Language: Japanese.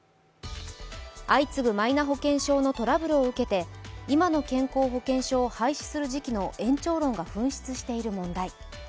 相次ぐマイナ保険証のトラブルを受けて今の健康保険証を廃止する時期の延長論が噴出している問題。